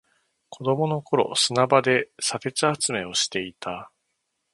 子供の頃、砂場で砂鉄集めをしていた。